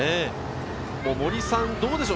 森さん、どうでしょう？